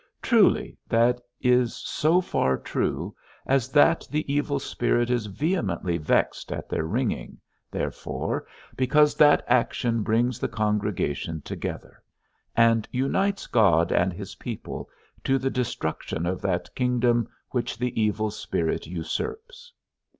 Truly, that is so far true, as that the evil spirit is vehemently vexed in their ringing, therefore, because that action brings the congregation together, and unites God and his people, to the destruction of that kingdom which the evil spirit usurps.